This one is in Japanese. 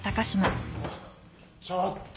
ちょっと。